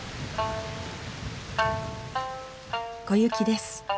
小雪です。